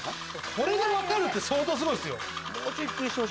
これで分かるって相当すごいですよ。